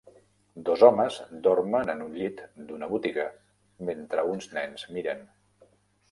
Dos homes dormen en un llit d'una botiga mentre uns nens miren.